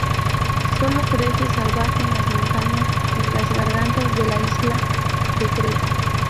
Sólo crece salvaje en las montañas y las gargantas de la isla de Creta.